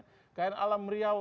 kekayaan alam riau